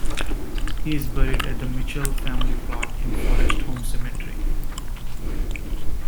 He is buried at the Mitchell family plot in Forest Home Cemetery.